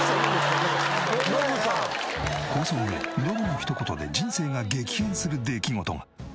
放送後ノブの一言で人生が激変する出来事が。